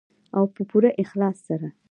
او په پوره اخلاص سره.